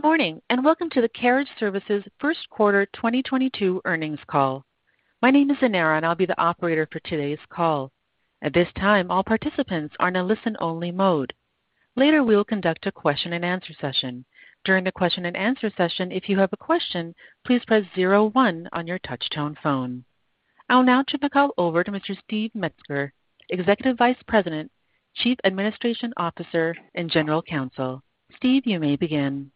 Good morning, and welcome to the Carriage Services first quarter 2022 earnings call. My name is Zanara, and I'll be the operator for today's call. At this time, all participants are in a listen-only mode. Later, we will conduct a question-and-answer session. During the question-and-answer session, if you have a question, please press zero one on your touchtone phone. I'll now turn the call over to Mr. Steve Metzger, Executive Vice President, Chief Administrative Officer, and General Counsel. Steve, you may begin.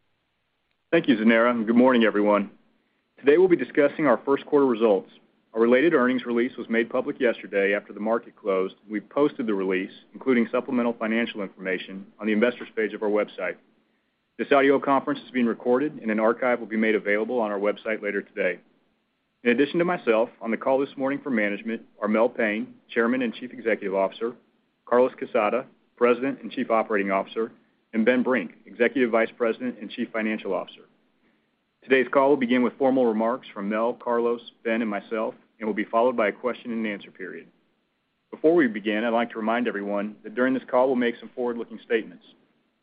Thank you, Zanara, and good morning, everyone. Today, we'll be discussing our first quarter results. A related earnings release was made public yesterday after the market closed. We've posted the release, including supplemental financial information, on the investor's page of our website. This audio conference is being recorded and an archive will be made available on our website later today. In addition to myself, on the call this morning for management are Mel Payne, Chairman and Chief Executive Officer, Carlos Quezada, President and Chief Operating Officer, and Ben Brink, Executive Vice President and Chief Financial Officer. Today's call will begin with formal remarks from Mel, Carlos, Ben, and myself and will be followed by a question-and-answer period. Before we begin, I'd like to remind everyone that during this call we'll make some forward-looking statements.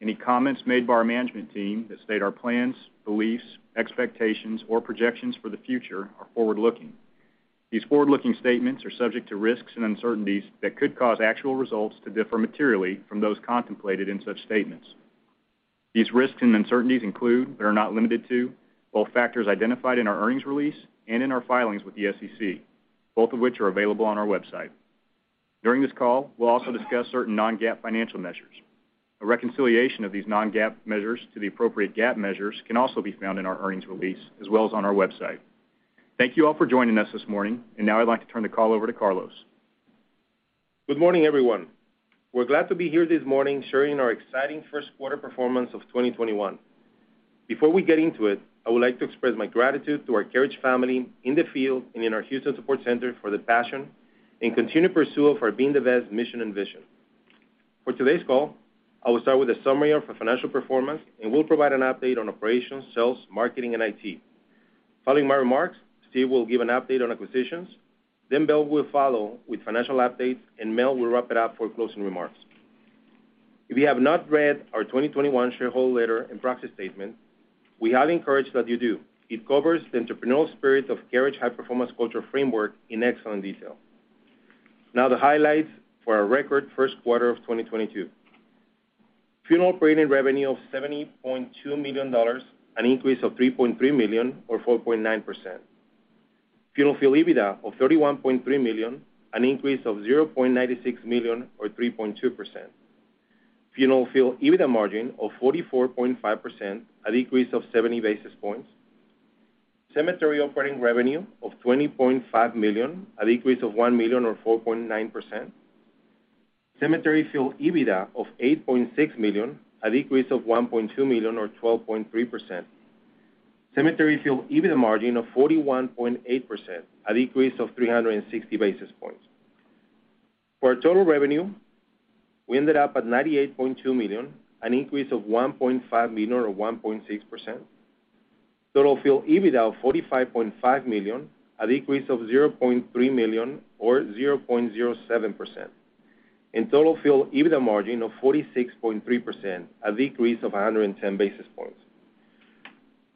Any comments made by our management team that state our plans, beliefs, expectations, or projections for the future are forward-looking. These forward-looking statements are subject to risks and uncertainties that could cause actual results to differ materially from those contemplated in such statements. These risks and uncertainties include, but are not limited to, all factors identified in our earnings release and in our filings with the SEC, both of which are available on our website. During this call, we'll also discuss certain non-GAAP financial measures. A reconciliation of these non-GAAP measures to the appropriate GAAP measures can also be found in our earnings release as well as on our website. Thank you all for joining us this morning, and now I'd like to turn the call over to Carlos. Good morning, everyone. We're glad to be here this morning sharing our exciting first quarter performance of 2021. Before we get into it, I would like to express my gratitude to our Carriage family in the field and in our Houston support center for the passion and continued pursuit of our being the best mission and vision. For today's call, I will start with a summary of our financial performance and will provide an update on operations, sales, marketing, and IT. Following my remarks, Steve will give an update on acquisitions, then Ben will follow with financial updates, and Mel will wrap it up for closing remarks. If you have not read our 2021 shareholder letter and proxy statement, we highly encourage that you do. It covers the entrepreneurial spirit of Carriage high-performance culture framework in excellent detail. Now the highlights for our record first quarter of 2022. Funeral operating revenue of $70.2 million, an increase of $3.3 million or 4.9%. Funeral field EBITDA of $31.3 million, an increase of $0.96 million or 3.2%. Funeral field EBITDA margin of 44.5%, a decrease of 70 basis points. Cemetery operating revenue of $20.5 million, a decrease of $1 million or 4.9%. Cemetery field EBITDA of $8.6 million, a decrease of $1.2 million or 12.3%. Cemetery field EBITDA margin of 41.8%, a decrease of 360 basis points. For our total revenue, we ended up at $98.2 million, an increase of $1.5 million or 1.6%. Total field EBITDA of $45.5 million, a decrease of $0.3 million or 0.07%. Total field EBITDA margin of 46.3%, a decrease of 110 basis points.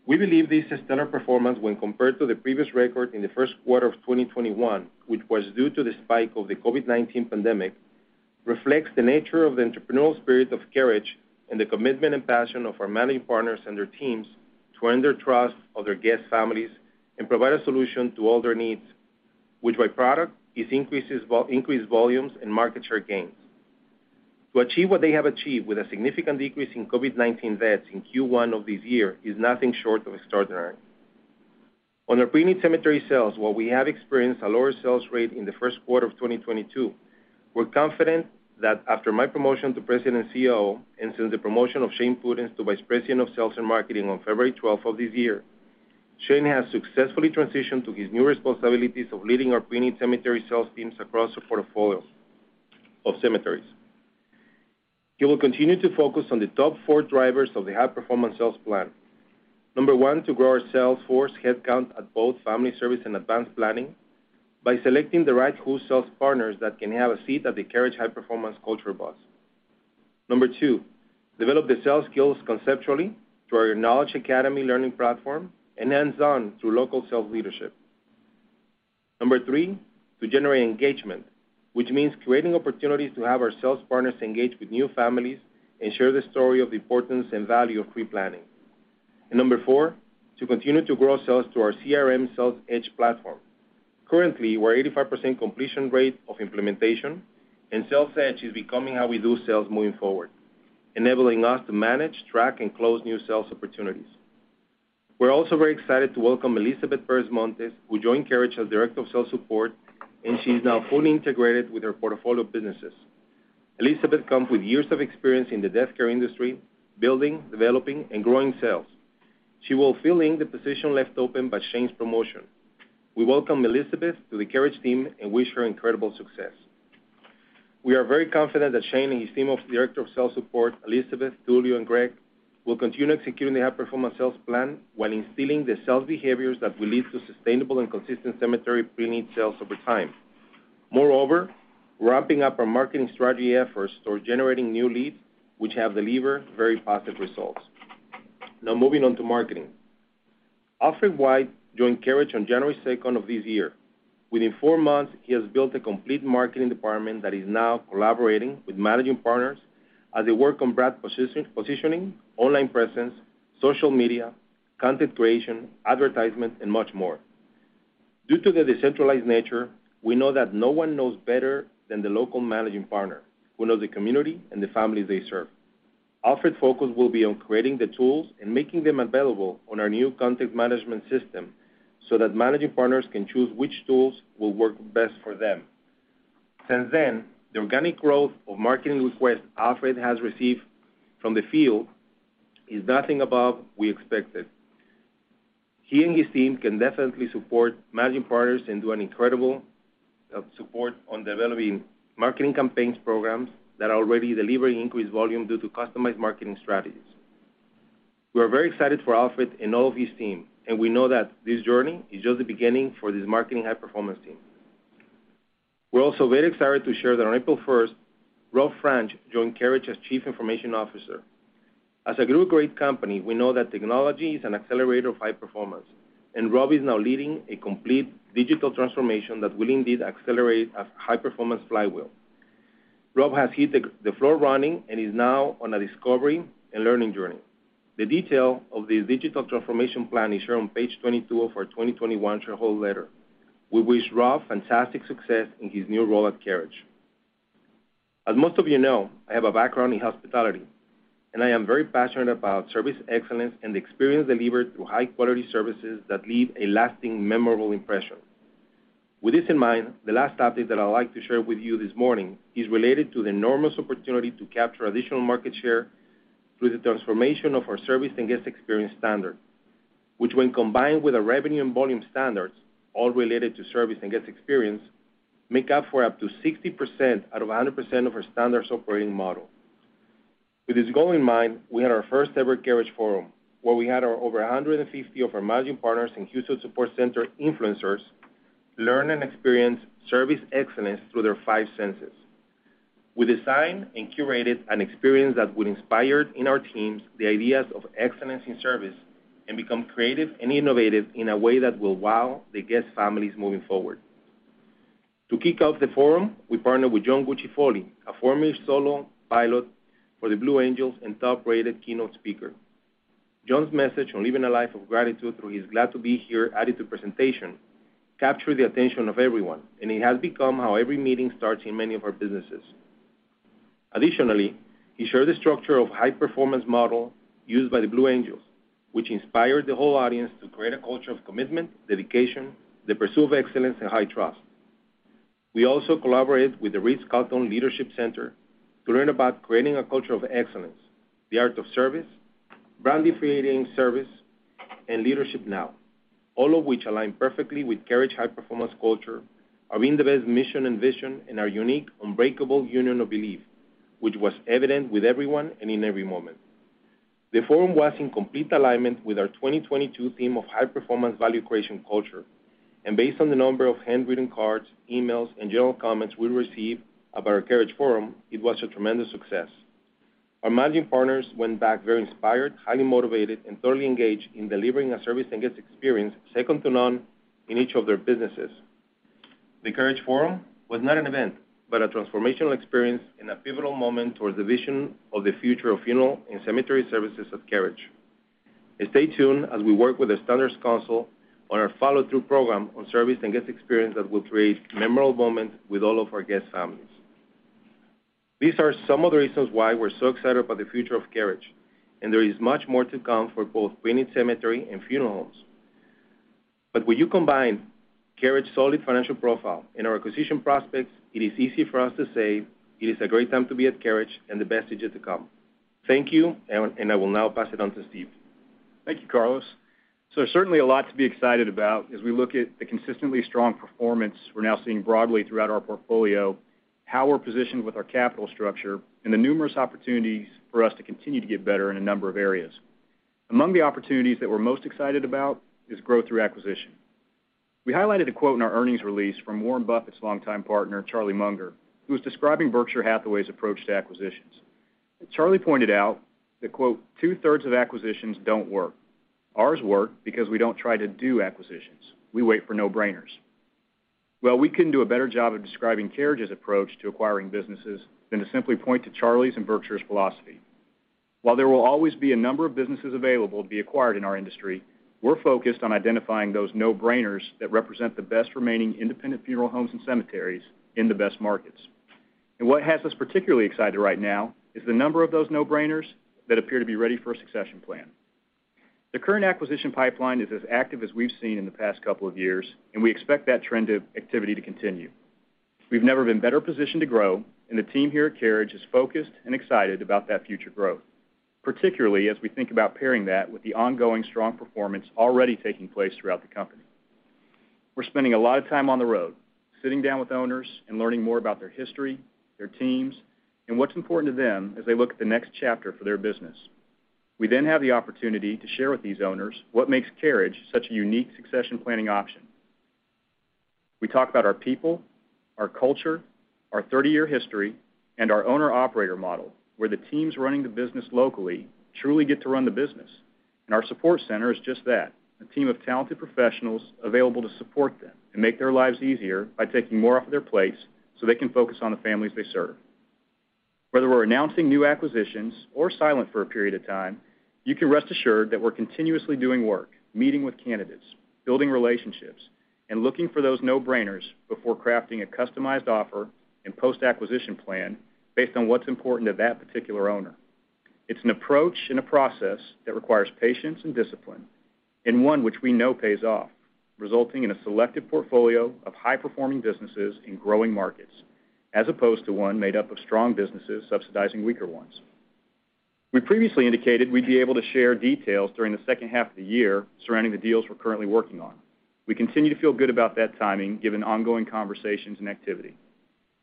We believe this is standard performance when compared to the previous record in the first quarter of 2021, which was due to the spike of the COVID-19 pandemic, reflects the nature of the entrepreneurial spirit of Carriage and the commitment and passion of our managing partners and their teams to earn the trust of their guest families and provide a solution to all their needs, which provides increased volumes and market share gains. To achieve what they have achieved with a significant decrease in COVID-19 deaths in Q1 of this year is nothing short of extraordinary. On our preneed cemetery sales, while we have experienced a lower sales rate in the first quarter of 2022, we're confident that after my promotion to President and CEO and since the promotion of Shane Pudenz to Vice President of Sales and Marketing on February 12 of this year, Shane has successfully transitioned to his new responsibilities of leading our preneed cemetery sales teams across the portfolio of cemeteries. He will continue to focus on the top four drivers of the high-performance sales plan. Number one, to grow our sales force headcount at both family service and advanced planning by selecting the right sales partners who can have a seat at the Carriage high-performance culture bus. Number two, develop the sales skills conceptually through our Knowledge Academy learning platform and hands-on through local sales leadership. Number three, to generate engagement, which means creating opportunities to have our sales partners engage with new families and share the story of the importance and value of pre-planning. Number four, to continue to grow sales through our CRM Sales Edge platform. Currently, we're at 85% completion rate of implementation, and Sales Edge is becoming how we do sales moving forward, enabling us to manage, track, and close new sales opportunities. We're also very excited to welcome Elizabeth Perez-Montes, who joined Carriage as director of sales support, and she's now fully integrated with our portfolio of businesses. Elizabeth comes with years of experience in the death care industry, building, developing, and growing sales. She will fill in the position left open by Shane's promotion. We welcome Elizabeth to the Carriage team and wish her incredible success. We are very confident that Shane Pudenz and his team of Director of Sales Support, Elizabeth Perez-Montes, Julio, and Greg, will continue executing the high-performance sales plan while instilling the sales behaviors that will lead to sustainable and consistent cemetery preneed sales over time. Moreover, ramping up our marketing strategy efforts towards generating new leads, which have delivered very positive results. Now moving on to marketing. Alfred White joined Carriage Services on January second of this year. Within four months, he has built a complete marketing department that is now collaborating with Managing Partners as they work on brand positioning, online presence, social media, content creation, advertisement, and much more. Due to the decentralized nature, we know that no one knows better than the local Managing Partner who knows the community and the families they serve. Alfred's focus will be on creating the tools and making them available on our new content management system so that Managing Partners can choose which tools will work best for them. Since then, the organic growth of marketing requests Alfred has received from the field is nothing short of what we expected. He and his team can definitely support Managing Partners and do an incredible support on developing marketing campaigns programs that are already delivering increased volume due to customized marketing strategies. We are very excited for Alfred and all of his team, and we know that this journey is just the beginning for this marketing high-performance team. We're also very excited to share that on April first, Rob Franch joined Carriage Services as Chief Information Officer. As a group great company, we know that technology is an accelerator of high performance, and Rob is now leading a complete digital transformation that will indeed accelerate a high-performance flywheel. Rob has hit the floor running and is now on a discovery and learning journey. The detail of this digital transformation plan is shown on page 22 of our 2021 shareholder letter. We wish Rob fantastic success in his new role at Carriage. As most of you know, I have a background in hospitality, and I am very passionate about service excellence and the experience delivered through high-quality services that leave a lasting, memorable impression. With this in mind, the last topic that I'd like to share with you this morning is related to the enormous opportunity to capture additional market share through the transformation of our service and guest experience standard, which when combined with our revenue and volume standards, all related to service and guest experience, make up for up to 60% out of 100% of our Standards Operating Model. With this goal in mind, we had our first-ever Carriage Forum, where we had over 150 of our Managing Partners and C-suite support center influencers learn and experience service excellence through their five senses. We designed and curated an experience that would inspire in our teams the ideas of excellence in service and become creative and innovative in a way that will wow the guest families moving forward. To kick off the forum, we partnered with John Foley, a former solo pilot for the Blue Angels and top-rated keynote speaker. John's message on living a life of gratitude through his Glad To Be Here Attitude presentation captured the attention of everyone, and it has become how every meeting starts in many of our businesses. Additionally, he shared the structure of high-performance model used by the Blue Angels, which inspired the whole audience to create a culture of commitment, dedication, the pursuit of excellence, and high trust. We also collaborated with the Ritz-Carlton Leadership Center to learn about creating a culture of excellence, the art of service, brand differentiating service, and leadership now, all of which align perfectly with Carriage high-performance culture, our Being the Best mission and vision, and our unique, unbreakable union of belief, which was evident with everyone and in every moment. The forum was in complete alignment with our 2022 theme of high-performance value creation culture, and based on the number of handwritten cards, emails, and general comments we received about our Carriage Forum, it was a tremendous success. Our Managing Partners went back very inspired, highly motivated, and thoroughly engaged in delivering a service and guest experience second to none in each of their businesses. The Carriage Forum was not an event, but a transformational experience and a pivotal moment towards the vision of the future of funeral and cemetery services of Carriage. Stay tuned as we work with the Standards Council on our follow-through program on service and guest experience that will create memorable moments with all of our guest families. These are some of the reasons why we're so excited about the future of Carriage, and there is much more to come for both preneed cemetery and funeral homes. When you combine Carriage's solid financial profile and our acquisition prospects, it is easy for us to say it is a great time to be at Carriage and the best is yet to come. Thank you, and I will now pass it on to Steve. Thank you, Carlos. Certainly a lot to be excited about as we look at the consistently strong performance we're now seeing broadly throughout our portfolio, how we're positioned with our capital structure, and the numerous opportunities for us to continue to get better in a number of areas. Among the opportunities that we're most excited about is growth through acquisition. We highlighted a quote in our earnings release from Warren Buffett's longtime partner, Charlie Munger, who was describing Berkshire Hathaway's approach to acquisitions. Charlie pointed out that, quote, "2/3 of acquisitions don't work. Ours work because we don't try to do acquisitions. We wait for no-brainers." Well, we couldn't do a better job of describing Carriage's approach to acquiring businesses than to simply point to Charlie's and Berkshire's philosophy. While there will always be a number of businesses available to be acquired in our industry, we're focused on identifying those no-brainers that represent the best remaining independent funeral homes and cemeteries in the best markets. What has us particularly excited right now is the number of those no-brainers that appear to be ready for a succession plan. The current acquisition pipeline is as active as we've seen in the past couple of years, and we expect that trend of activity to continue. We've never been better positioned to grow, and the team here at Carriage is focused and excited about that future growth, particularly as we think about pairing that with the ongoing strong performance already taking place throughout the company. We're spending a lot of time on the road, sitting down with owners and learning more about their history, their teams, and what's important to them as they look at the next chapter for their business. We then have the opportunity to share with these owners what makes Carriage such a unique succession planning option. We talk about our people, our culture, our 30-year history, and our owner-operator model, where the teams running the business locally truly get to run the business, and our support center is just that, a team of talented professionals available to support them and make their lives easier by taking more off of their plates so they can focus on the families they serve. Whether we're announcing new acquisitions or silent for a period of time, you can rest assured that we're continuously doing work, meeting with candidates, building relationships, and looking for those no-brainers before crafting a customized offer and post-acquisition plan based on what's important to that particular owner. It's an approach and a process that requires patience and discipline, and one which we know pays off, resulting in a selective portfolio of high-performing businesses in growing markets, as opposed to one made up of strong businesses subsidizing weaker ones. We previously indicated we'd be able to share details during the second half of the year surrounding the deals we're currently working on. We continue to feel good about that timing, given ongoing conversations and activity.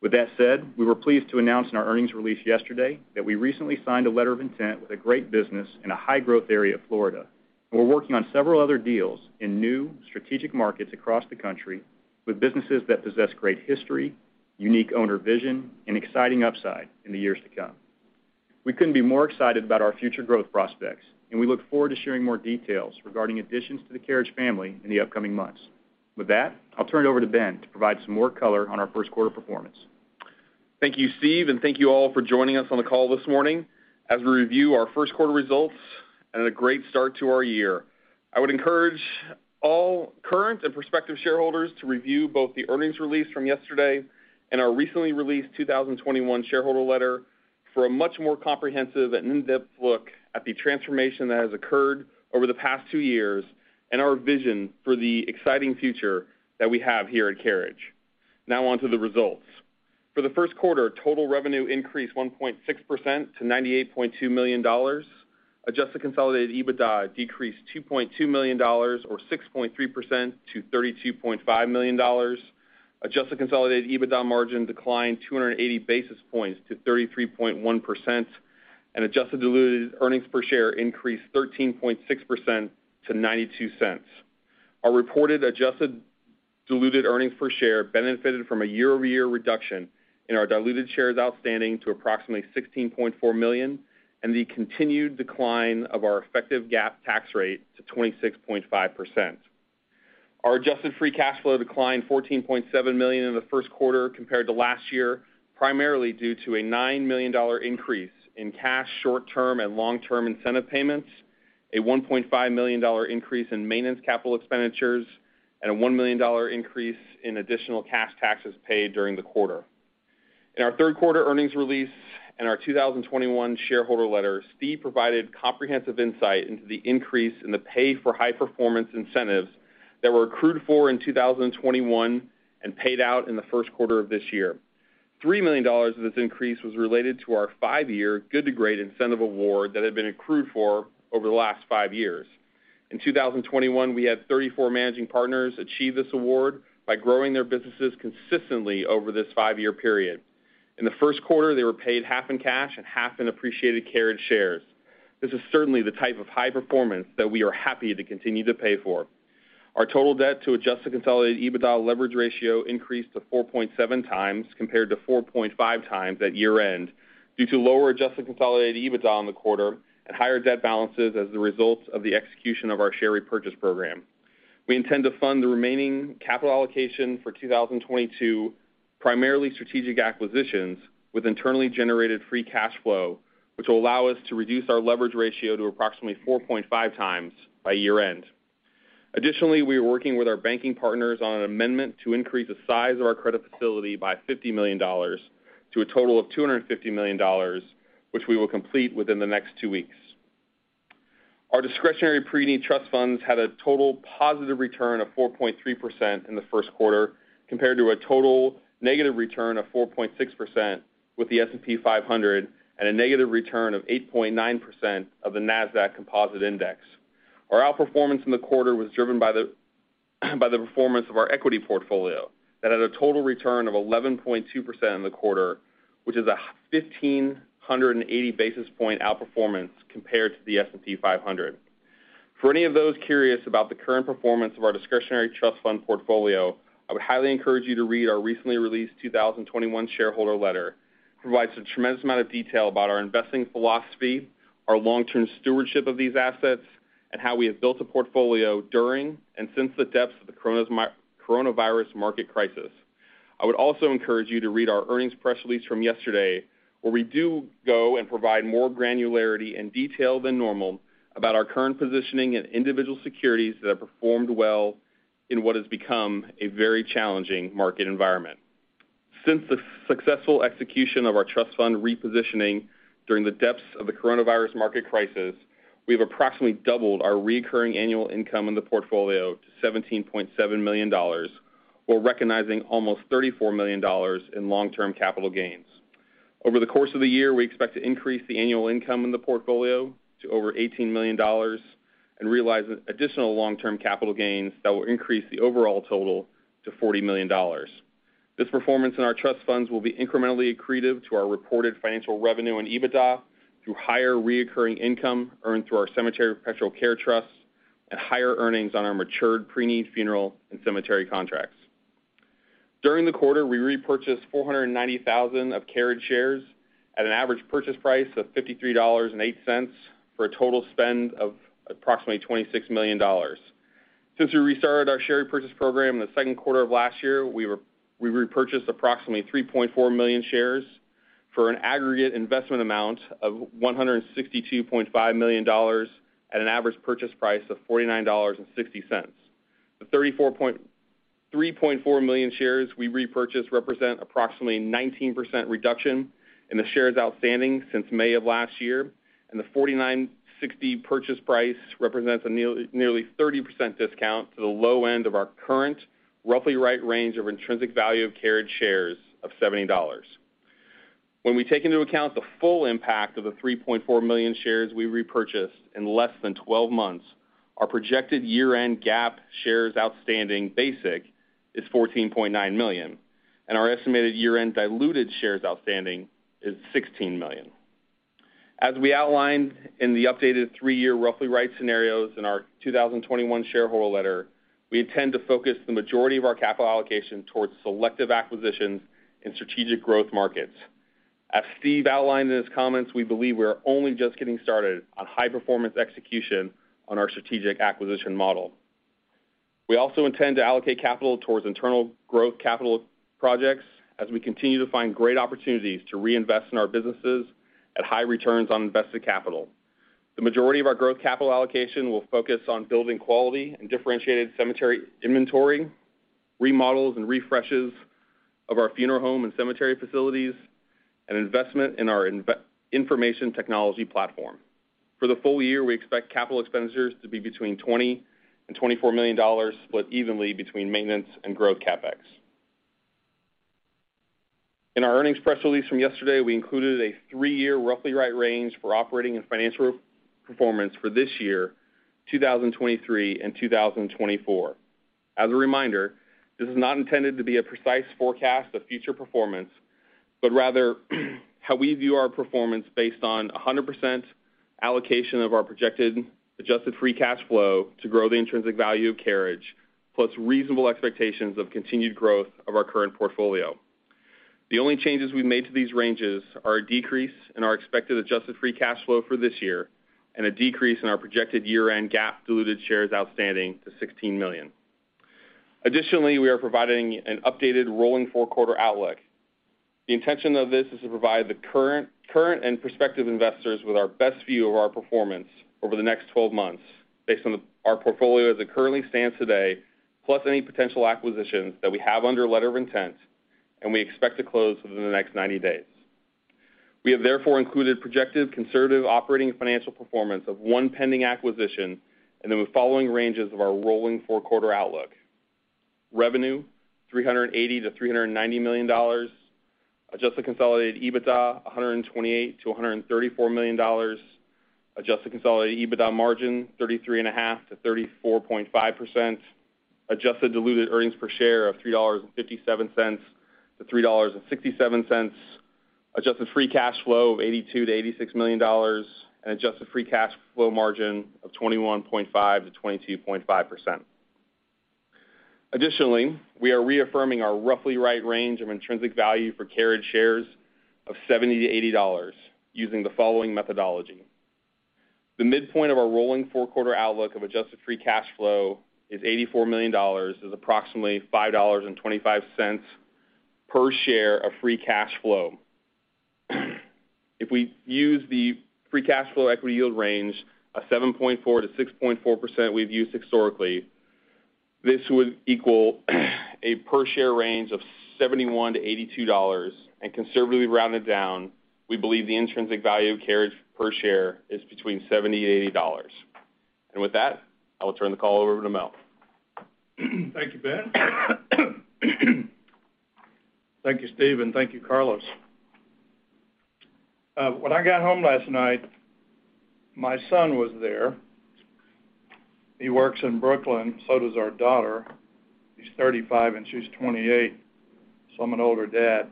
With that said, we were pleased to announce in our earnings release yesterday that we recently signed a letter of intent with a great business in a high-growth area of Florida, and we're working on several other deals in new strategic markets across the country with businesses that possess great history, unique owner vision, and exciting upside in the years to come. We couldn't be more excited about our future growth prospects, and we look forward to sharing more details regarding additions to the Carriage family in the upcoming months. With that, I'll turn it over to Ben to provide some more color on our first quarter performance. Thank you, Steve, and thank you all for joining us on the call this morning as we review our first quarter results and a great start to our year. I would encourage all current and prospective shareholders to review both the earnings release from yesterday and our recently released 2021 shareholder letter for a much more comprehensive and in-depth look at the transformation that has occurred over the past two years and our vision for the exciting future that we have here at Carriage. Now on to the results. For the first quarter, total revenue increased 1.6% to $98.2 million. Adjusted consolidated EBITDA decreased $2.2 million or 6.3% to $32.5 million. Adjusted consolidated EBITDA margin declined 280 basis points to 33.1%, and adjusted diluted earnings per share increased 13.6% to $0.92. Our reported adjusted diluted earnings per share benefited from a year-over-year reduction in our diluted shares outstanding to approximately 16.4 million and the continued decline of our effective GAAP tax rate to 26.5%. Our adjusted free cash flow declined $14.7 million in the first quarter compared to last year, primarily due to a $9 million increase in cash short-term and long-term incentive payments, a $1.5 million increase in maintenance capital expenditures, and a $1 million increase in additional cash taxes paid during the quarter. In our third quarter earnings release and our 2021 shareholder letter, Steve provided comprehensive insight into the increase in the pay for high performance incentives that were accrued for in 2021 and paid out in the first quarter of this year. $3 million of this increase was related to our five-year Good to Great incentive award that had been accrued for over the last five years. In 2021, we had 34 Managing Partners achieve this award by growing their businesses consistently over this five-year period. In the first quarter, they were paid half in cash and half in appreciated Carriage shares. This is certainly the type of high performance that we are happy to continue to pay for. Our total debt to adjusted consolidated EBITDA leverage ratio increased to 4.7x compared to 4.5x at year-end due to lower adjusted consolidated EBITDA in the quarter and higher debt balances as a result of the execution of our share repurchase program. We intend to fund the remaining capital allocation for 2022, primarily strategic acquisitions, with internally generated free cash flow, which will allow us to reduce our leverage ratio to approximately 4.5x by year-end. Additionally, we are working with our banking partners on an amendment to increase the size of our credit facility by $50 million to a total of $250 million, which we will complete within the next two weeks. Our discretionary preneed trust funds had a total positive return of 4.3% in the first quarter compared to a total negative return of 4.6% with the S&P 500 and a negative return of 8.9% of the Nasdaq Composite Index. Our outperformance in the quarter was driven by the performance of our equity portfolio that had a total return of 11.2% in the quarter, which is a 1,580 basis point outperformance compared to the S&P 500. For any of those curious about the current performance of our discretionary trust fund portfolio, I would highly encourage you to read our recently released 2021 shareholder letter. It provides a tremendous amount of detail about our investing philosophy, our long-term stewardship of these assets, and how we have built a portfolio during and since the depths of the coronavirus market crisis. I would also encourage you to read our earnings press release from yesterday, where we do go and provide more granularity and detail than normal about our current positioning in individual securities that have performed well in what has become a very challenging market environment. Since the successful execution of our trust fund repositioning during the depths of the coronavirus market crisis, we have approximately doubled our recurring annual income in the portfolio to $17.7 million, while recognizing almost $34 million in long-term capital gains. Over the course of the year, we expect to increase the annual income in the portfolio to over $18 million and realize additional long-term capital gains that will increase the overall total to $40 million. This performance in our trust funds will be incrementally accretive to our reported financial revenue and EBITDA through higher recurring income earned through our cemetery perpetual care trusts and higher earnings on our matured preneed funeral and cemetery contracts. During the quarter, we repurchased 490,000 of Carriage shares at an average purchase price of $53.08, for a total spend of approximately $26 million. Since we restarted our share repurchase program in the second quarter of last year, we've repurchased approximately 3.4 million shares for an aggregate investment amount of $162.5 million at an average purchase price of $49.60. The 3.4 million shares we repurchased represent approximately 19% reduction in the shares outstanding since May of last year, and the $49.60 purchase price represents a nearly 30% discount to the low end of our current roughly $80 range of intrinsic value of Carriage shares of $70. When we take into account the full impact of the 3.4 million shares we repurchased in less than 12 months, our projected year-end GAAP shares outstanding basic is 14.9 million, and our estimated year-end diluted shares outstanding is 16 million. As we outlined in the updated three-year roughly right scenarios in our 2021 shareholder letter, we intend to focus the majority of our capital allocation towards selective acquisitions in strategic growth markets. As Steve outlined in his comments, we believe we are only just getting started on high performance execution on our strategic acquisition model. We also intend to allocate capital towards internal growth capital projects as we continue to find great opportunities to reinvest in our businesses at high returns on invested capital. The majority of our growth capital allocation will focus on building quality and differentiated cemetery inventory, remodels and refreshes of our funeral home and cemetery facilities, and investment in our information technology platform. For the full year, we expect capital expenditures to be between $20 million and $24 million, split evenly between maintenance and growth CapEx. In our earnings press release from yesterday, we included a three-year roughly right range for operating and financial performance for this year, 2023 and 2024. As a reminder, this is not intended to be a precise forecast of future performance, but rather, how we view our performance based on 100% allocation of our projected adjusted free cash flow to grow the intrinsic value of Carriage, plus reasonable expectations of continued growth of our current portfolio. The only changes we've made to these ranges are a decrease in our expected adjusted free cash flow for this year and a decrease in our projected year-end GAAP diluted shares outstanding to 16 million. Additionally, we are providing an updated rolling fourth quarter outlook. The intention of this is to provide the current and prospective investors with our best view of our performance over the next 12 months based on our portfolio as it currently stands today, plus any potential acquisitions that we have under a letter of intent and we expect to close within the next 90 days. We have therefore included projected conservative operating and financial performance of one pending acquisition in the following ranges of our rolling fourth quarter outlook. Revenue, $380 million-$390 million. Adjusted consolidated EBITDA, $128 million-$134 million. Adjusted consolidated EBITDA margin, 33.5%-34.5%. Adjusted diluted earnings per share of $3.57-$3.67. Adjusted free cash flow of $82 million-$86 million and adjusted free cash flow margin of 21.5%-22.5%. Additionally, we are reaffirming our roughly right range of intrinsic value for Carriage shares of $70-$80 using the following methodology. The midpoint of our rolling four-quarter outlook of adjusted free cash flow is $84 million, is approximately $5.25 per share of free cash flow. If we use the free cash flow equity yield range of 7.4%-6.4% we've used historically, this would equal a per share range of $71-$82, and conservatively rounded down, we believe the intrinsic value of Carriage per share is between $70 and $80. With that, I will turn the call over to Mel. Thank you, Ben. Thank you, Steve, and thank you, Carlos. When I got home last night, my son was there. He works in Brooklyn, so does our daughter. He's 35 and she's 28, so I'm an older dad.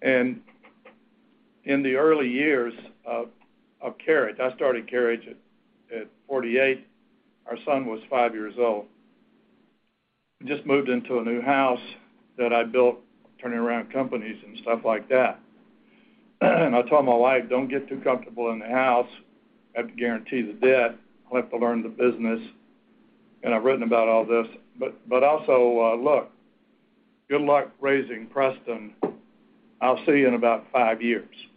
In the early years of Carriage, I started Carriage at 48. Our son was five years old. We just moved into a new house that I'd built turning around companies and stuff like that. I told my wife, "Don't get too comfortable in the house. I have to guarantee the debt. I have to learn the business," and I've written about all this. "But also, look, good luck raising Preston. I'll see you in about five years.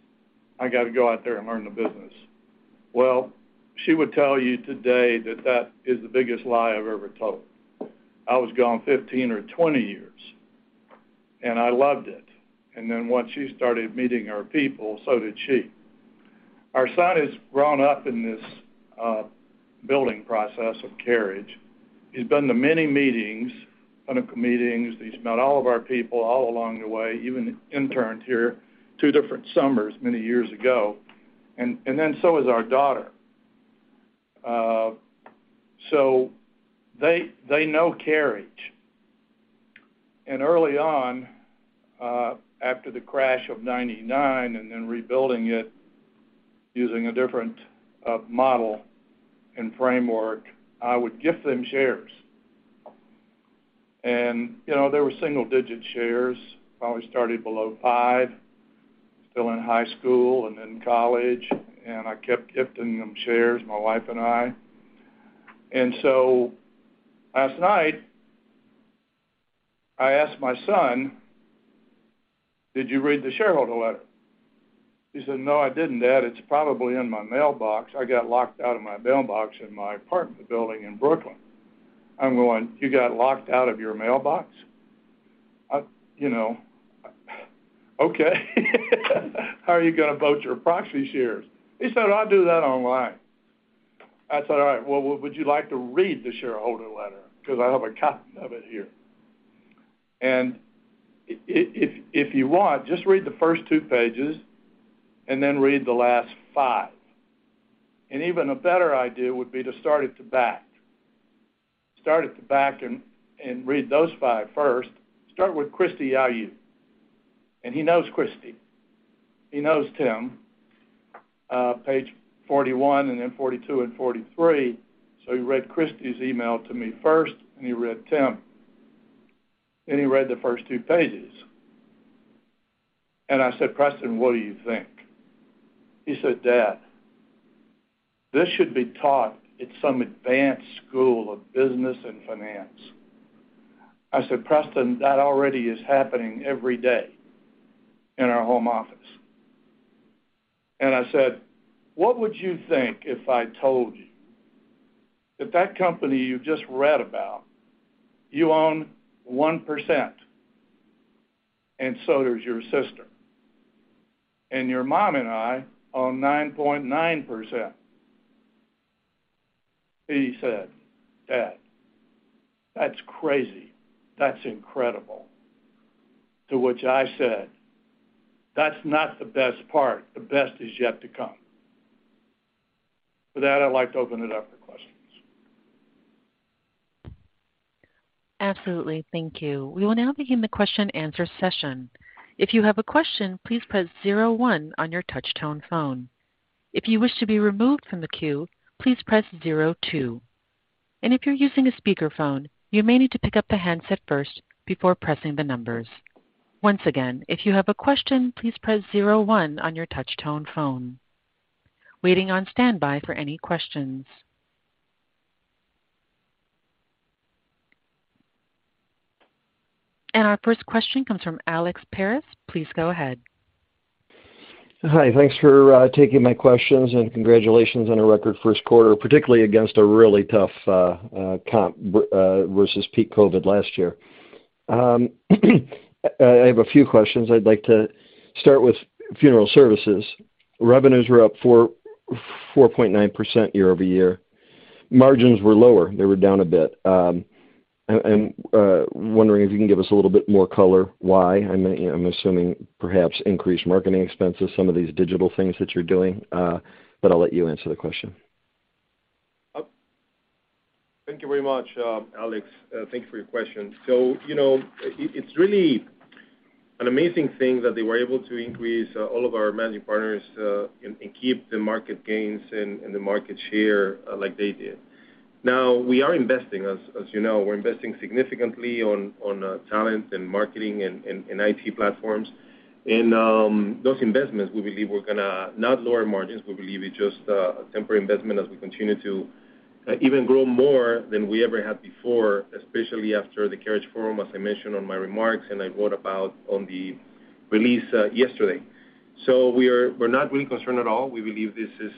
I gotta go out there and learn the business." Well, she would tell you today that that is the biggest lie I've ever told. I was gone 15 or 20 years, and I loved it. Once she started meeting our people, so did she. Our son has grown up in this building process of Carriage. He's been to many meetings, client meetings. He's met all of our people all along the way, even interned here two different summers many years ago, and then so has our daughter. They know Carriage. Early on, after the crash of 1999 and then rebuilding it using a different model and framework, I would gift them shares. You know, they were single-digit shares. Probably started below five, still in high school and then college, and I kept gifting them shares, my wife and I. Last night I asked my son, "Did you read the shareholder letter?" He said, "No, I didn't, Dad. It's probably in my mailbox. I got locked out of my mailbox in my apartment building in Brooklyn." I'm going, "You got locked out of your mailbox? You know, okay. How are you gonna vote your proxy shares?" He said, "I'll do that online." I said, "All right. Well, would you like to read the shareholder letter because I have a copy of it here. If you want, just read the first two pages and then read the last five. Even a better idea would be to start at the back. Start at the back and read those five first. Start with Christie Yu." He knows Christie. He knows Tim, page 41 and then 42 and 43. He read Christie's email to me first, and he read Tim, and he read the first two pages. I said, "Preston, what do you think?" He said, "Dad, this should be taught at some advanced school of business and finance." I said, "Preston, that already is happening every day in our home office." I said, "What would you think if I told you that that company you just read about, you own 1%, and so does your sister. Your mom and I own 9.9%." He said, "Dad, that's crazy. That's incredible." To which I said, "That's not the best part. The best is yet to come." With that, I'd like to open it up for questions. Absolutely. Thank you. We will now begin the question-answer session. If you have a question, please press zero one on your touch tone phone. If you wish to be removed from the queue, please press zero two. If you're using a speakerphone, you may need to pick up the handset first before pressing the numbers. Once again, if you have a question, please press zero one on your touch tone phone. Waiting on standby for any questions. Our first question comes from Alex Paris. Please go ahead. Hi. Thanks for taking my questions, and congratulations on a record first quarter, particularly against a really tough comps versus peak COVID last year. I have a few questions. I'd like to start with funeral services. Revenues were up 4.9% year-over-year. Margins were lower. They were down a bit. I'm wondering if you can give us a little bit more color why. I'm assuming perhaps increased marketing expenses, some of these digital things that you're doing, but I'll let you answer the question. Thank you very much, Alex. Thank you for your question. You know, it's really an amazing thing that they were able to increase all of our Managing Partners and keep the market gains and the market share like they did. Now, we are investing. As you know, we're investing significantly on talent and marketing and IT platforms. Those investments, we believe we're gonna not lower margins. We believe it's just a temporary investment as we continue to even grow more than we ever have before, especially after the Carriage Forum, as I mentioned in my remarks, and I wrote about in the release yesterday. We're not really concerned at all. We believe this is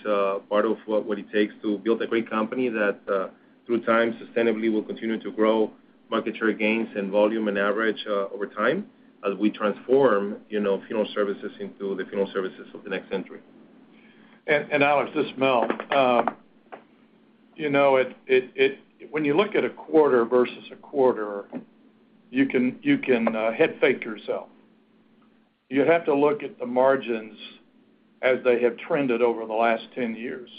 part of what it takes to build a great company that through time sustainably will continue to grow market share gains and volume and average over time as we transform, you know, funeral services into the funeral services of the next century. Alex, this is Mel. You know, when you look at a quarter versus a quarter, you can head fake yourself. You have to look at the margins as they have trended over the last 10 years.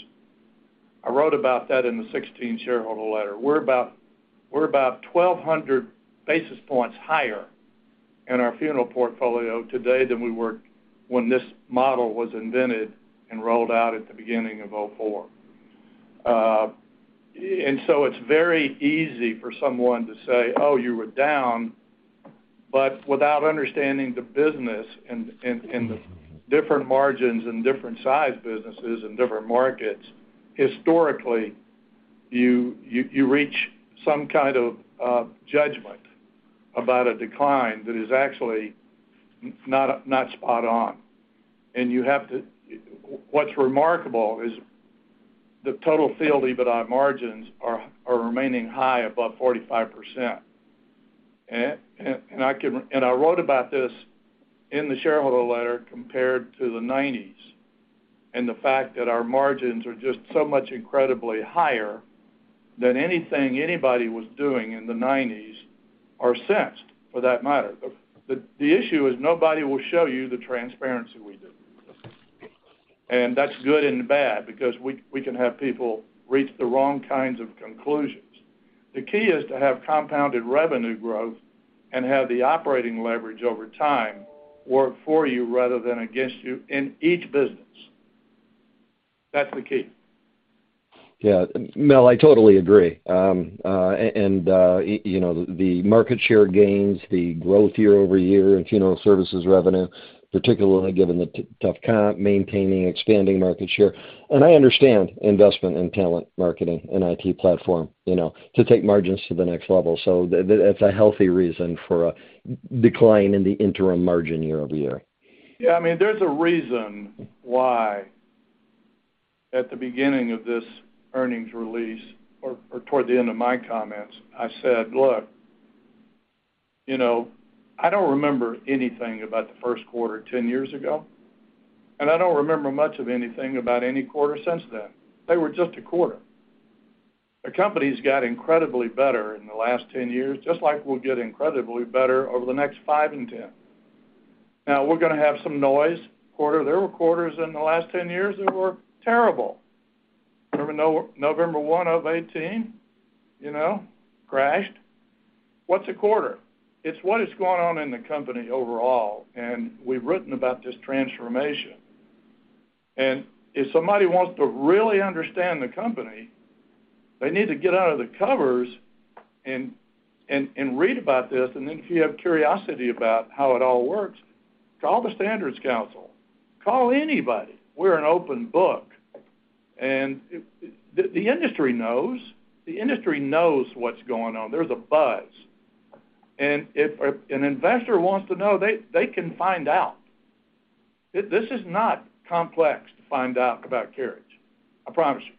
I wrote about that in the 2016 shareholder letter. We're about 1,200 basis points higher in our funeral portfolio today than we were when this model was invented and rolled out at the beginning of 2004. It's very easy for someone to say, "Oh, you were down." But without understanding the business and the different margins and different size businesses and different markets, historically, you reach some kind of judgment about a decline that is actually not spot on. What's remarkable is the total field EBITDA margins are remaining high above 45%. I wrote about this in the shareholder letter compared to the 1990s, and the fact that our margins are just so much incredibly higher than anything anybody was doing in the 1990s or since for that matter. The issue is nobody will show you the transparency we do. That's good and bad because we can have people reach the wrong kinds of conclusions. The key is to have compounded revenue growth and have the operating leverage over time work for you rather than against you in each business. That's the key. Yeah. Mel, I totally agree. You know, the market share gains, the growth year over year in funeral services revenue, particularly given the tough comp, maintaining, expanding market share. I understand investment in talent, marketing, and IT platform, you know, to take margins to the next level. That's a healthy reason for a decline in the interim margin year over year. Yeah, I mean, there's a reason why at the beginning of this earnings release or toward the end of my comments, I said, "Look, you know, I don't remember anything about the first quarter 10 years ago, and I don't remember much of anything about any quarter since then." They were just a quarter. The company's got incredibly better in the last 10 years, just like we'll get incredibly better over the next five and 10. Now we're gonna have some noise quarter. There were quarters in the last 10 years that were terrible. Remember November 1 of 2018, you know, crashed. What's a quarter? It's what is going on in the company overall, and we've written about this transformation. If somebody wants to really understand the company, they need to get out of the covers and read about this. If you have curiosity about how it all works, call the Standards Council, call anybody. We're an open book. The industry knows. The industry knows what's going on. There's a buzz. If an investor wants to know, they can find out. This is not complex to find out about Carriage, I promise you.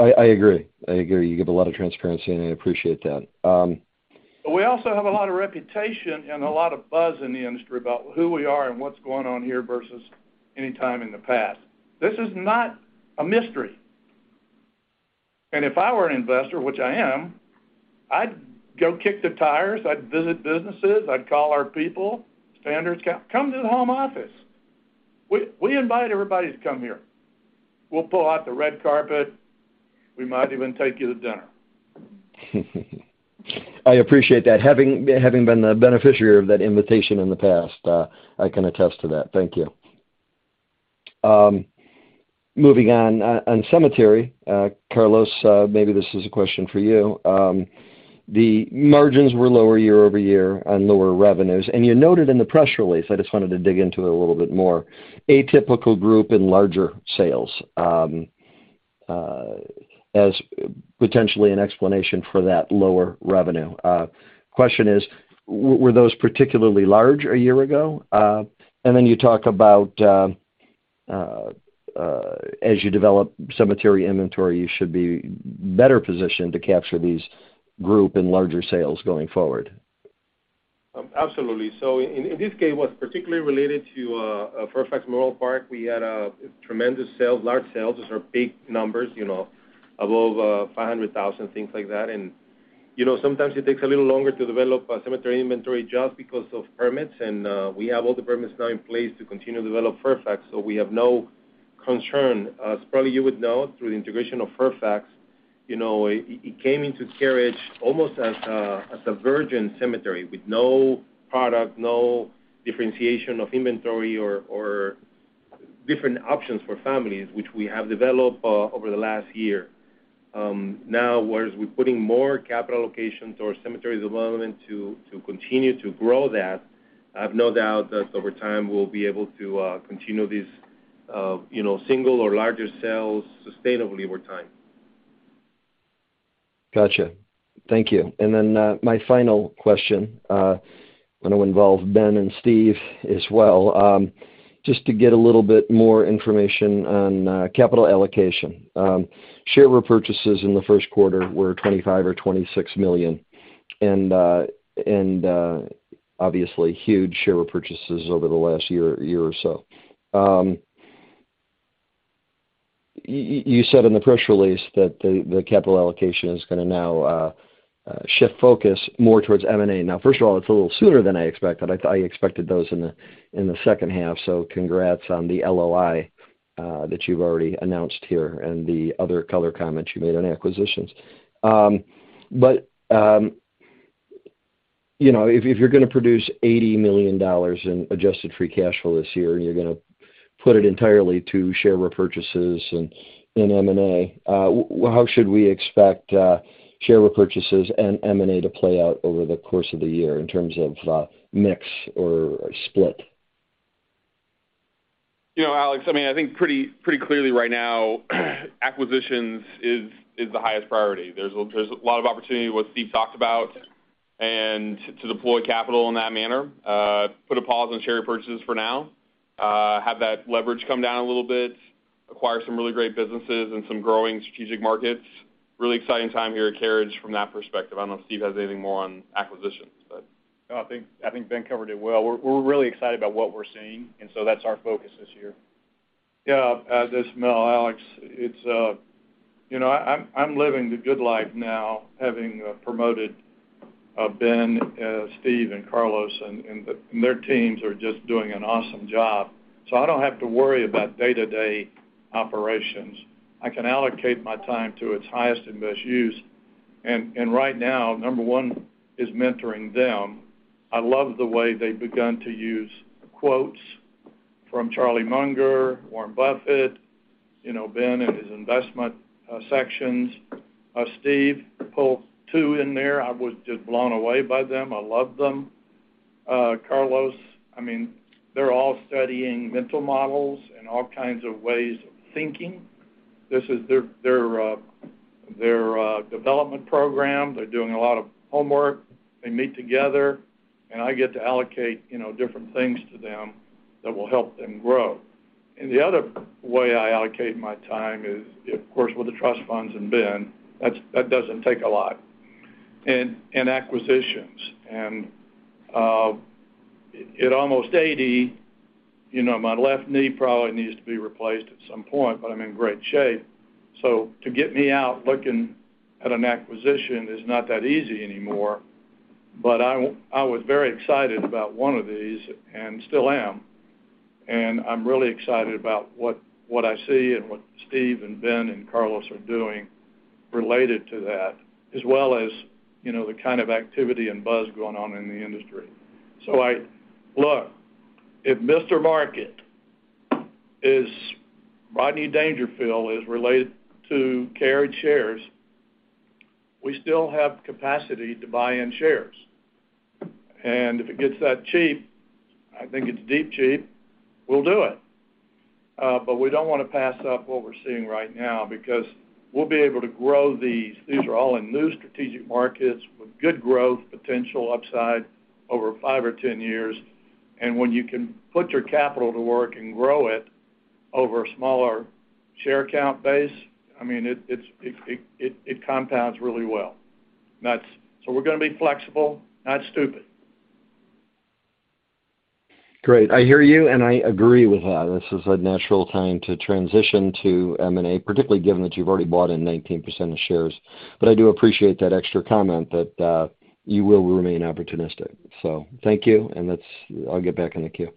I agree. You give a lot of transparency, and I appreciate that. We also have a lot of reputation and a lot of buzz in the industry about who we are and what's going on here versus any time in the past. This is not a mystery. If I were an investor, which I am, I'd go kick the tires. I'd visit businesses. I'd call our people. Standards Council. Come to the home office. We invite everybody to come here. We'll pull out the red carpet. We might even take you to dinner. I appreciate that. Having been the beneficiary of that invitation in the past, I can attest to that. Thank you. Moving on. On cemetery, Carlos, maybe this is a question for you. The margins were lower year-over-year on lower revenues, and you noted in the press release. I just wanted to dig into it a little bit more, atypical group and larger sales as potentially an explanation for that lower revenue. Question is, were those particularly large a year ago? You talk about, as you develop cemetery inventory, you should be better positioned to capture these group and larger sales going forward. Absolutely. In this case, it was particularly related to Fairfax Memorial Park. We had tremendous sales, large sales. These are big numbers, you know, above $500,000, things like that. You know, sometimes it takes a little longer to develop a cemetery inventory just because of permits, and we have all the permits now in place to continue to develop Fairfax, so we have no concern. As probably you would know, through the integration of Fairfax, you know, it came into Carriage almost as a virgin cemetery with no product, no differentiation of inventory or different options for families, which we have developed over the last year. Now whereas we're putting more CapEx, locations or cemetery development to continue to grow that, I have no doubt that over time, we'll be able to continue these, you know, single or larger sales sustainably over time. Gotcha. Thank you. My final question, I know involves Ben and Steve as well, just to get a little bit more information on capital allocation. Share repurchases in the first quarter were $25 million or $26 million and obviously huge share repurchases over the last year or so. You said in the press release that the capital allocation is gonna now shift focus more towards M&A. Now, first of all, it's a little sooner than I expected. I expected those in the second half, so congrats on the LOI that you've already announced here and the other color comments you made on acquisitions. You know, if you're gonna produce $80 million in adjusted free cash flow this year and you're gonna put it entirely to share repurchases and M&A, how should we expect share repurchases and M&A to play out over the course of the year in terms of mix or split? You know, Alex, I mean, I think pretty clearly right now, acquisitions is the highest priority. There's a lot of opportunity, what Steve talked about, and to deploy capital in that manner, put a pause on share repurchases for now, have that leverage come down a little bit, acquire some really great businesses in some growing strategic markets. Really exciting time here at Carriage from that perspective. I don't know if Steve has anything more on acquisitions. No, I think Ben covered it well. We're really excited about what we're seeing, and so that's our focus this year. Yeah, this is Mel, Alex. You know, I'm living the good life now, having promoted Ben, Steve and Carlos, and their teams are just doing an awesome job. I don't have to worry about day-to-day operations. I can allocate my time to its highest and best use. Right now, number one is mentoring them. I love the way they've begun to use quotes from Charlie Munger, Warren Buffett. You know, Ben and his investment sections. Steve pulled two in there. I was just blown away by them. I love them. Carlos, I mean, they're all studying mental models and all kinds of ways of thinking. This is their development program. They're doing a lot of homework. They meet together, and I get to allocate, you know, different things to them that will help them grow. The other way I allocate my time is, of course, with the trust funds and Ben. That doesn't take a lot. Acquisitions. At almost 80, you know, my left knee probably needs to be replaced at some point, but I'm in great shape. To get me out looking at an acquisition is not that easy anymore. I was very excited about one of these, and still am. I'm really excited about what I see and what Steve and Ben and Carlos are doing related to that, as well as, you know, the kind of activity and buzz going on in the industry. Look, if Mr. market is Rodney Dangerfield as it relates to Carriage shares. We still have capacity to buy in shares. If it gets that cheap, I think it's dirt cheap, we'll do it. We don't wanna pass up what we're seeing right now because we'll be able to grow these. These are all in new strategic markets with good growth potential, upside over five or 10 years. When you can put your capital to work and grow it over a smaller share count base, I mean, it compounds really well. We're gonna be flexible, not stupid. Great. I hear you, and I agree with that. This is a natural time to transition to M&A, particularly given that you've already bought in 19% of shares. I do appreciate that extra comment that you will remain opportunistic. Thank you, and I'll get back in the queue.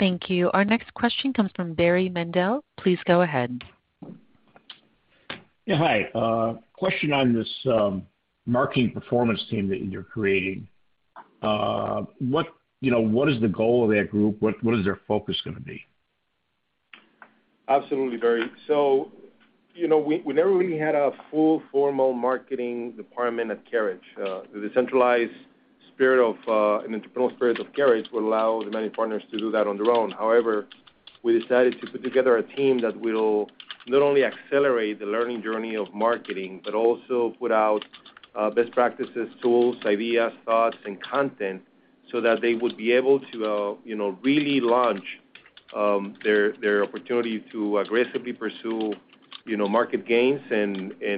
Thank you. Our next question comes from Barry Mandel. Please go ahead. Yeah. Hi. Question on this marketing performance team that you're creating. What, you know, is the goal of that group? What is their focus gonna be? Absolutely, Barry. You know, we never really had a full formal marketing department at Carriage. The decentralized spirit and entrepreneurial spirit of Carriage would allow the many partners to do that on their own. However, we decided to put together a team that will not only accelerate the learning journey of marketing, but also put out best practices, tools, ideas, thoughts, and content so that they would be able to you know, really launch their opportunity to aggressively pursue you know, market gains and you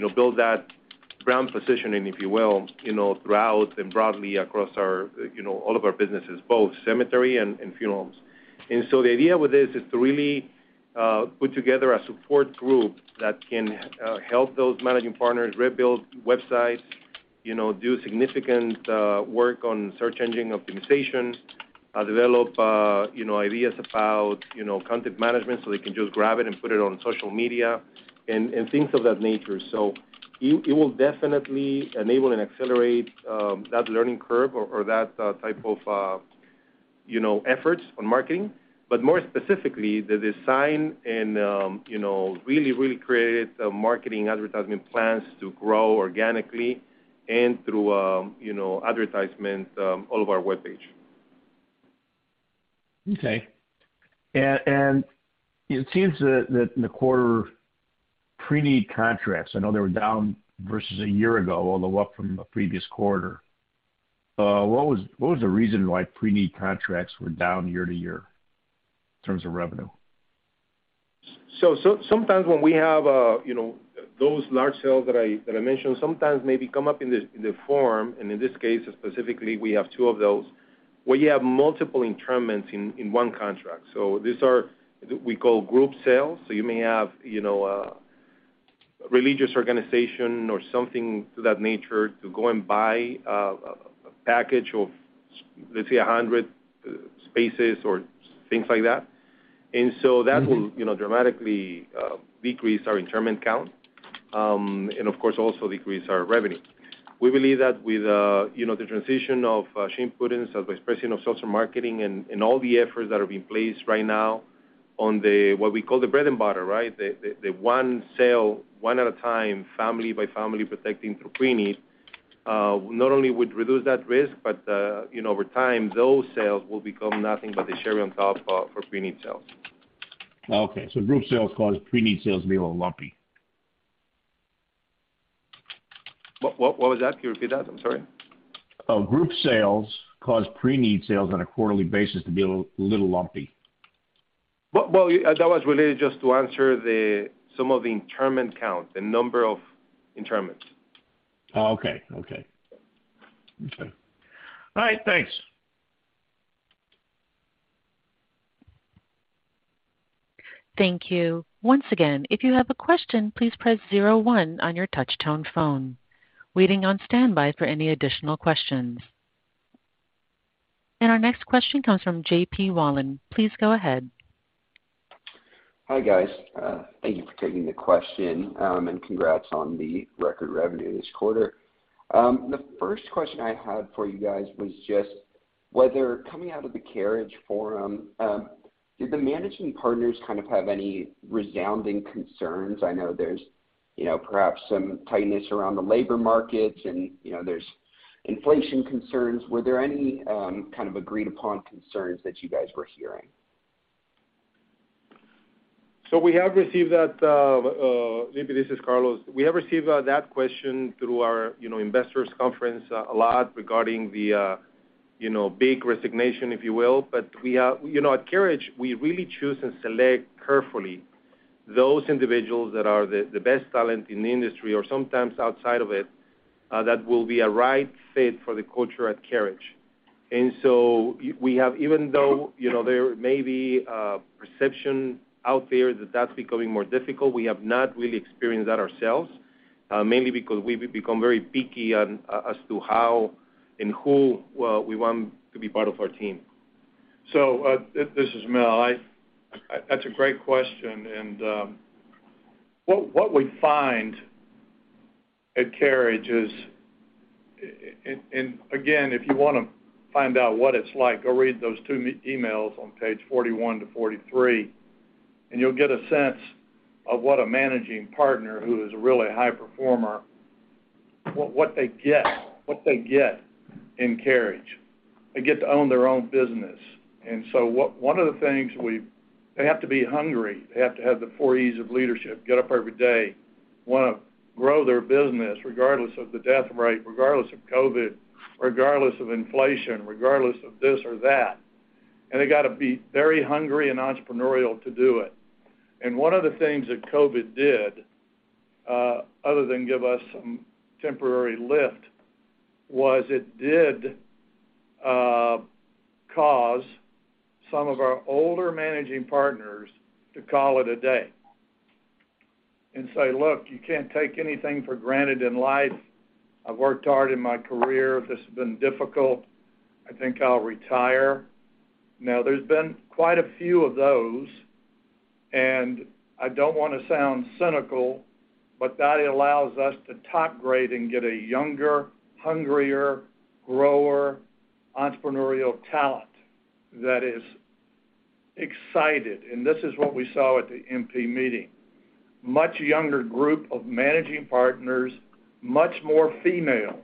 know, build that brand positioning, if you will, you know, throughout and broadly across our you know, all of our businesses, both cemetery and funerals. The idea with this is to really put together a support group that can help those Managing Partners rebuild websites, you know, do significant work on search engine optimization, develop, you know, ideas about, you know, content management, so they can just grab it and put it on social media and things of that nature. It will definitely enable and accelerate that learning curve or that type of, you know, efforts on marketing. But more specifically, the design and, you know, really create marketing, advertising plans to grow organically and through, you know, advertisements all of our webpage. Okay. It seems that in the quarter preneed contracts, I know they were down versus a year ago, although up from the previous quarter. What was the reason why preneed contracts were down year-to-year in terms of revenue? Sometimes when we have those large sales that I mentioned, sometimes maybe come up in the form, and in this case specifically, we have two of those, where you have multiple interments in one contract. These are what we call group sales. You may have a religious organization or something to that nature to go and buy a package of, let's say, 100 spaces or things like that. That will dramatically decrease our interment count and of course also decrease our revenue. We believe that with the transition of Shane Pudenz, the Vice President of Sales and Marketing, and all the efforts that are being placed right now on what we call the bread and butter, right? The one sale one at a time, family by family, protecting through preneed not only would reduce that risk, but you know, over time, those sales will become nothing but the cherry on top for preneed sales. Okay. Group sales caused preneed sales to be a little lumpy. What was that? Can you repeat that? I'm sorry. Group sales caused preneed sales on a quarterly basis to be a little lumpy. Well, that was related just to answer some of the interment count, the number of interments. Oh, okay. All right, thanks. Thank you. Once again, if you have a question, please press zero one on your touch tone phone. Waiting on standby for any additional questions. Our next question comes from JP Wollam. Please go ahead. Hi, guys. Thank you for taking the question, and congrats on the record revenue this quarter. The first question I had for you guys was just whether coming out of the Carriage Forum, did the Managing Partners kind of have any resounding concerns? I know there's, you know, perhaps some tightness around the labor markets and, you know, there's inflation concerns. Were there any, kind of agreed upon concerns that you guys were hearing? We have received that question through our investor conference a lot regarding the Great Resignation, if you will. Maybe this is Carlos. You know, at Carriage, we really choose and select carefully those individuals that are the best talent in the industry or sometimes outside of it that will be a right fit for the culture at Carriage. We have even though, you know, there may be a perception out there that that's becoming more difficult, we have not really experienced that ourselves, mainly because we've become very picky as to how and who we want to be part of our team. This is Mel. That's a great question. What we find at Carriage is, again, if you want to find out what it's like, go read those two emails on page 41-43, and you'll get a sense of what a Managing Partner who is a really high performer, what they get in Carriage. They get to own their own business. They have to be hungry. They have to have the Four E's of Leadership, get up every day, want to grow their business regardless of the death rate, regardless of COVID, regardless of inflation, regardless of this or that. They got to be very hungry and entrepreneurial to do it. One of the things that COVID did, other than give us some temporary lift, was, it did cause some of our older Managing Partners to call it a day and say, "Look, you can't take anything for granted in life. I've worked hard in my career. This has been difficult. I think I'll retire." Now, there's been quite a few of those, and I don't wanna sound cynical, but that allows us to top grade and get a younger, hungrier, grower, entrepreneurial talent that is excited. This is what we saw at the MP meeting. Much younger group of Managing Partners, much more female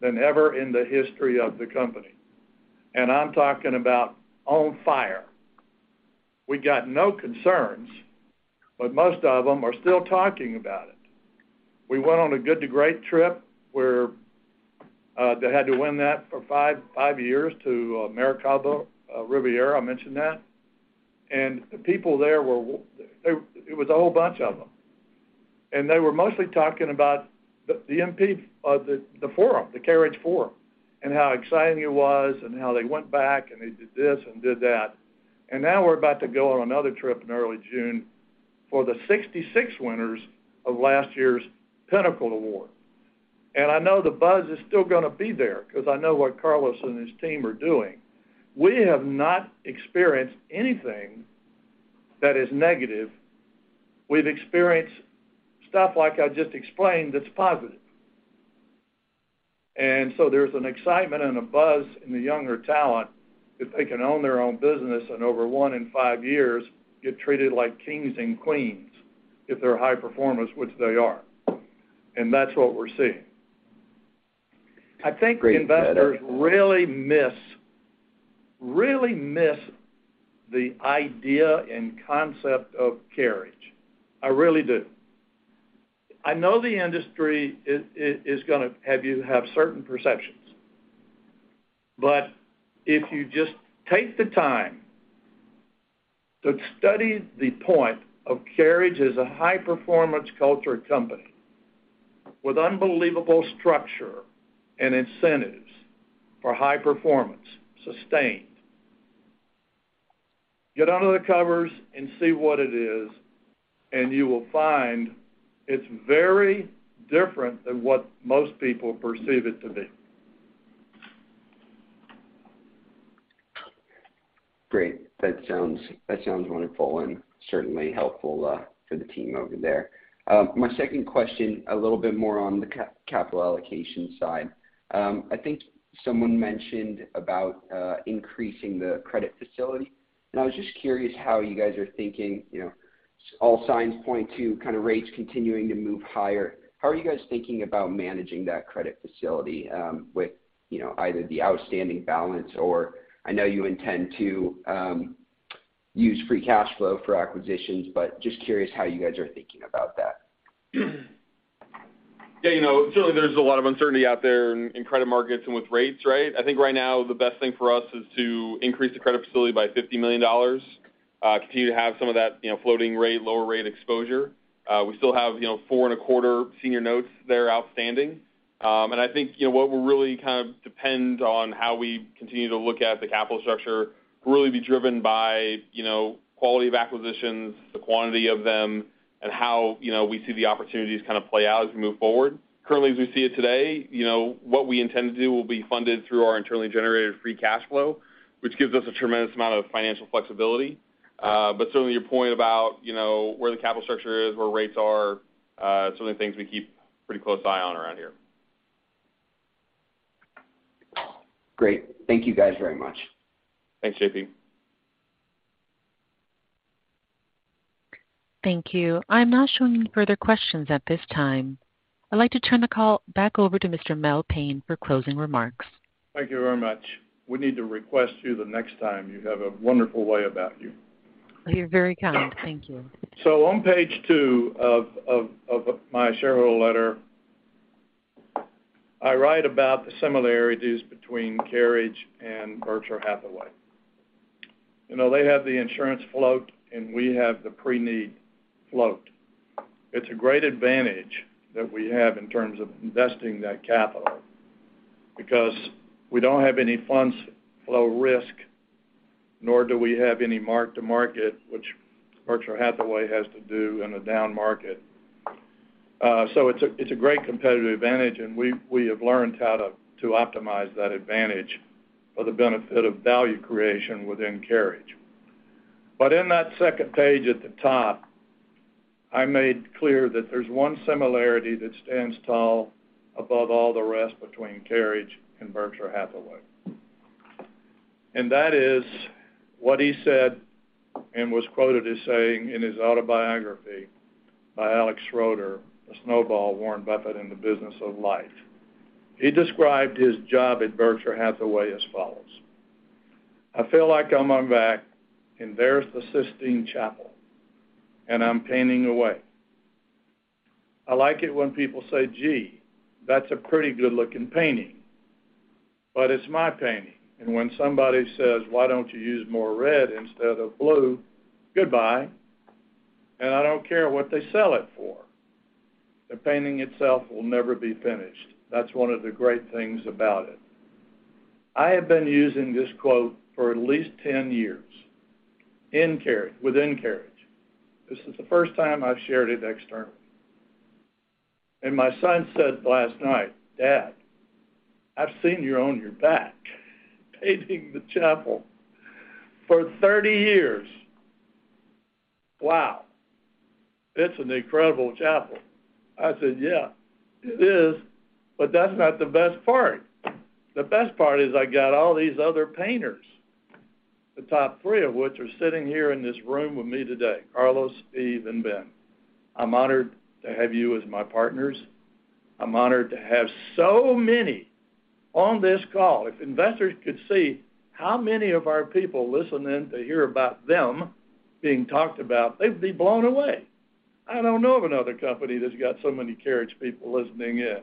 than ever in the history of the company. I'm talking about on fire. We got no concerns, but most of them are still talking about it. We went on a Good to Great trip where they had to win that for five years to Marquis Los Cabos, Riviera Maya, I mentioned that. The people there were. It was a whole bunch of them. They were mostly talking about the MP, the Carriage Forum, and how exciting it was and how they went back, and they did this and did that. Now we're about to go on another trip in early June for the 66 winners of last year's Pinnacle Award. I know the buzz is still gonna be there because I know what Carlos and his team are doing. We have not experienced anything that is negative. We've experienced stuff like I just explained that's positive. There's an excitement and a buzz in the younger talent that they can own their own business and over one in five years get treated like kings and queens if they're high performers, which they are. That's what we're seeing. Great. I think investors really miss the idea and concept of Carriage. I really do. I know the industry is gonna have certain perceptions. If you just take the time to study the point of Carriage as a high-performance culture company with unbelievable structure and incentives for high performance sustained, get under the covers and see what it is, and you will find it's very different than what most people perceive it to be. Great. That sounds wonderful and certainly helpful for the team over there. My second question, a little bit more on the capital allocation side. I think someone mentioned about increasing the credit facility, and I was just curious how you guys are thinking, you know, all signs point to kind of rates continuing to move higher. How are you guys thinking about managing that credit facility, with, you know, either the outstanding balance or I know you intend to use free cash flow for acquisitions, but just curious how you guys are thinking about that. Yeah, you know, certainly there's a lot of uncertainty out there in credit markets and with rates, right? I think right now the best thing for us is to increase the credit facility by $50 million, continue to have some of that, you know, floating rate, lower rate exposure. We still have, you know, 4.25 senior notes that are outstanding. I think, you know, what will really kind of depend on how we continue to look at the capital structure will really be driven by, you know, quality of acquisitions, the quantity of them, and how, you know, we see the opportunities kind of play out as we move forward. Currently, as we see it today, you know, what we intend to do will be funded through our internally generated free cash flow, which gives us a tremendous amount of financial flexibility. Certainly your point about, you know, where the capital structure is, where rates are, certainly things we keep pretty close eye on around here. Great. Thank you guys very much. Thanks, JP. Thank you. I'm not showing further questions at this time. I'd like to turn the call back over to Mr. Mel Payne for closing remarks. Thank you very much. We need to request you the next time. You have a wonderful way about you. You're very kind. Thank you. On page two of my shareholder letter, I write about the similarities between Carriage and Berkshire Hathaway. You know, they have the insurance float, and we have the preneed float. It's a great advantage that we have in terms of investing that capital because we don't have any funds flow risk, nor do we have any mark-to-market, which Berkshire Hathaway has to do in a down market. It's a great competitive advantage, and we have learned how to optimize that advantage for the benefit of value creation within Carriage. In that second page at the top, I made clear that there's one similarity that stands tall above all the rest between Carriage and Berkshire Hathaway. That is what he said and was quoted as saying in his autobiography by Alice Schroeder, The Snowball: Warren Buffett and the Business of Life. He described his job at Berkshire Hathaway as follows: "I feel like I'm on my back, and there's the Sistine Chapel, and I'm painting away. I like it when people say, 'Gee, that's a pretty good-looking painting,' but it's my painting. And when somebody says, 'Why don't you use more red instead of blue?' Goodbye. And I don't care what they sell it for. The painting itself will never be finished. That's one of the great things about it." I have been using this quote for at least 10 years in Carriage, within Carriage. This is the first time I've shared it externally. My son said last night, "Dad, I've seen you on your back painting the chapel for 30 years. Wow. It's an incredible chapel." I said, "Yeah, it is, but that's not the best part. The best part is I got all these other painters, the top three of which are sitting here in this room with me today, Carlos, Steve and Ben." I'm honored to have you as my partners. I'm honored to have so many on this call. If investors could see how many of our people listen in to hear about them being talked about, they'd be blown away. I don't know of another company that's got so many Carriage people listening in.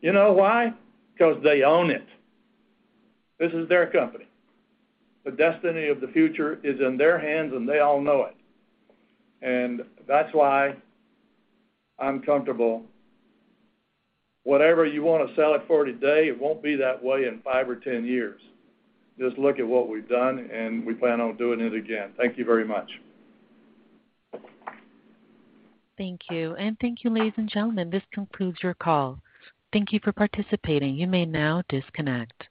You know why? Because they own it. This is their company. The destiny of the future is in their hands, and they all know it. That's why I'm comfortable. Whatever you want to sell it for today, it won't be that way in five or 10 years. Just look at what we've done, and we plan on doing it again. Thank you very much. Thank you. Thank you, ladies and gentlemen. This concludes your call. Thank you for participating. You may now disconnect.